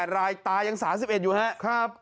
๔๑๐๘รายตายัง๓๑อยู่นะครับ